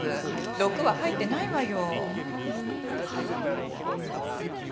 毒は入ってないわよ。